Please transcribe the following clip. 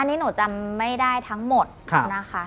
อันนี้หนูจำไม่ได้ทั้งหมดนะคะ